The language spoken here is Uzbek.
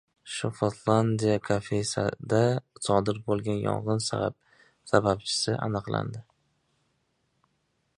“Shovotlandiya” kafesida sodir bo‘lgan yong‘in sababchisi aniqlandi